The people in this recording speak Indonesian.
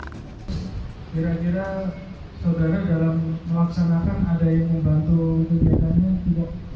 kira kira saudara dalam melaksanakan ada yang membantu kegiatannya tidak